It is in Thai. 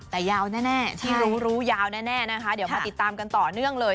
แต่ยาวแน่ที่รู้รู้ยาวแน่นะคะเดี๋ยวมาติดตามกันต่อเนื่องเลย